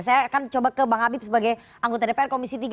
saya akan coba ke bang habib sebagai anggota dpr komisi tiga